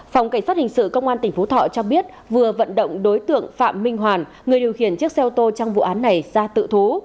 phòng cảnh sát hình sự công an tỉnh phú thọ cho biết vừa vận động đối tượng phạm minh hoàn người điều khiển chiếc xe ô tô trong vụ án này ra tự thú